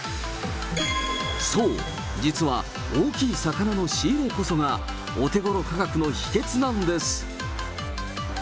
そう、実は、大きい魚の仕入れこそが、お手ごろ価格の秘けつなんです。